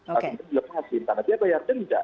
lalu dilepasin karena dia bayar denda